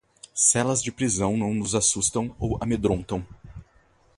Celas de prisão não nos assustam ou amedrontam